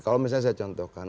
kalau misalnya saya contohkan